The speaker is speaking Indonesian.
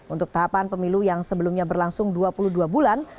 untuk tahapan pemilu yang sebelumnya berlangsung dua puluh dua bulan